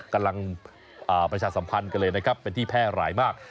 กำลังประชาสัมพันธ์กันเลยนะครับเป็นที่แพร่หลายมาก